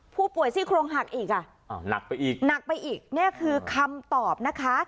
ผู้ป่วยซี่โครงหักอีกหรอนักไปอีกนักไปอีกนี่คือคำตอบนะคะ